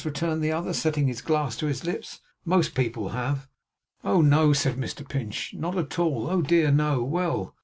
returned the other, setting his glass to his lips. 'Most people have.' 'Oh, no,' said Mr Pinch, 'not at all. Oh dear no! Well!